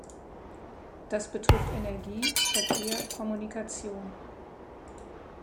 Das betrifft Energie, Verkehr, Kommunikation.